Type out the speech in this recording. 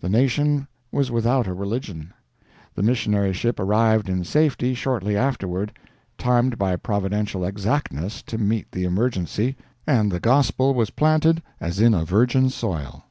The nation was without a religion. The missionary ship arrived in safety shortly afterward, timed by providential exactness to meet the emergency, and the gospel was planted as in a virgin soil.